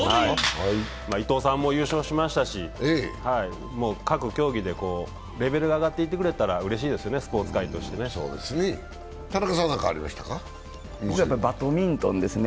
伊藤さんも優勝しましたし、各競技でレベルが上がってくれたらうれしいですね、スポーツ界としてバドミントンですね。